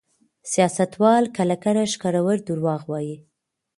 سیاستوال کله کله ښکرور دروغ وايي.